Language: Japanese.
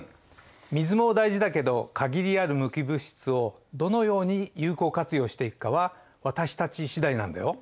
水も大事だけど限りある無機物質をどのように有効活用していくかは私たち次第なんだよ。